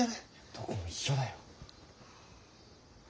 どこも一緒だよ。